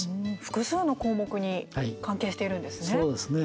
複数の項目に関係しているんですね。